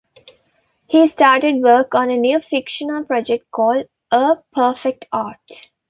He started work on a new fictional project called "A Perfect Art".